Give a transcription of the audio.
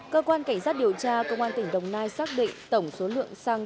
cơ quan cảnh sát điều tra công an tỉnh đồng nai xác định tổng số lượng xăng